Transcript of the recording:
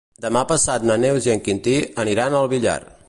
Demà passat na Neus i en Quintí aniran al Villar.